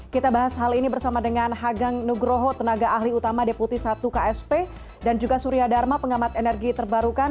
kita bahas hal ini bersama dengan hageng nugroho tenaga ahli utama deputi satu ksp dan juga surya dharma pengamat energi terbarukan